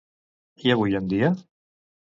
I avui en dia?